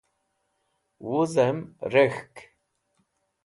wuz'em rek̃hk